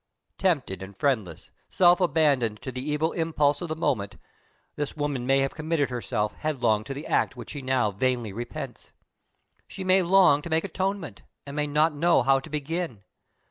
"Tempted and friendless, self abandoned to the evil impulse of the moment, this woman may have committed herself headlong to the act which she now vainly repents. She may long to make atonement, and may not know how to begin.